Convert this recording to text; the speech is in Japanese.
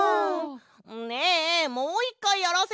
ねえもう１かいやらせて！